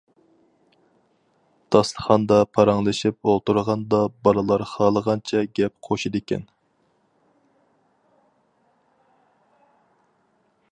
داستىخاندا پاراڭلىشىپ ئولتۇرغاندا بالىلار خالىغانچە گەپ قوشىدىكەن.